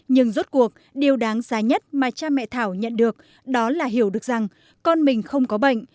nhưng rốt cuộc điều đáng giá nhất mà cha mẹ thảo nhận được đó là hiểu được rằng con mình không có bệnh